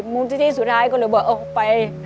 มูลนิธิสุดท้ายก็เลยบอกออกไป